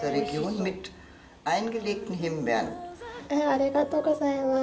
ありがとうございます。